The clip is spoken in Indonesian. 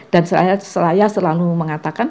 dan saya selalu mengatakan